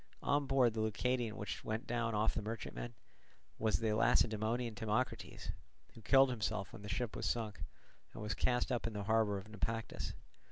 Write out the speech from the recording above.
On board the Leucadian which went down off the merchantman, was the Lacedaemonian Timocrates, who killed himself when the ship was sunk, and was cast up in the harbour of Naupactus.